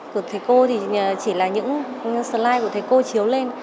của thầy cô thì chỉ là những sli của thầy cô chiếu lên